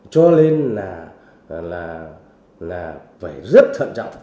cho nên là phải rất thận trọng